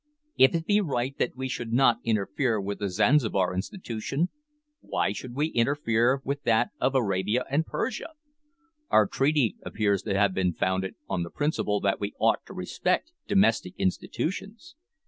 If it be right that we should not interfere with the Zanzibar institution, why should we interfere with that of Arabia or Persia? Our treaty appears to have been founded on the principle that we ought to respect domestic institutions.